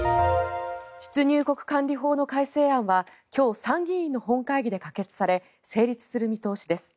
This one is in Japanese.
出入国管理法の改正案は今日、参議院の本会議で可決され成立する見通しです。